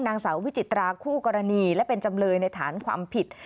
นางสาววิจิตราคู่กรณีและเป็นจำเลยในฐานความผิด